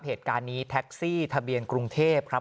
เหตุการณ์นี้แท็กซี่ทะเบียนกรุงเทพครับ